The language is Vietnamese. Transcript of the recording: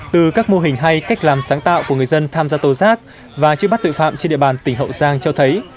từ các mô hình hay cách làm sáng tạo của người dân tham gia tố giác và truy bắt tội phạm trên địa bàn tỉnh hậu giang cho thấy